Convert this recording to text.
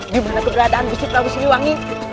dimana keberadaan gusti prabu siliwangi